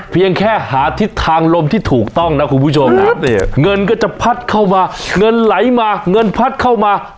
เพียงแค่หาทิศทางลมที่ถูกต้องนะคุณผู้ชมเงินก็จะพัดเข้ามาเงินไหลมาเงินพัดเข้ามา